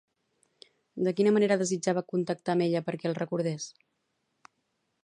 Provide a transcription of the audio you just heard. De quina manera desitjava contactar amb ella perquè el recordés?